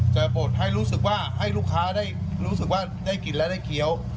บดให้รู้สึกว่าให้ลูกค้าได้รู้สึกว่าได้กินและได้เคี้ยว